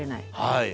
はい。